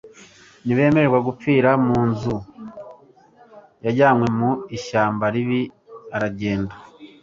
ntibemerewe gupfira mu nzu. yajyanywe mu ishyamba ribi aragenda